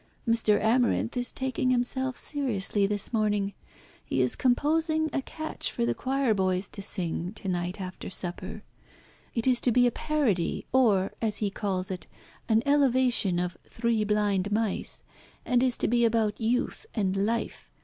Mr. Amarinth is taking himself seriously this morning. He is composing a catch for the choir boys to sing to night after supper. It is to be parody, or, as he calls it, an elevation of 'Three blind mice,' and is to be about youth and life.